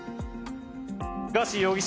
ガーシー容疑者